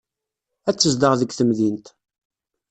Ad tezdeɣ deg temdint.